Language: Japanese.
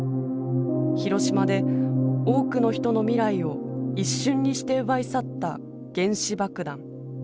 広島で多くの人の未来を一瞬にして奪い去った原子爆弾。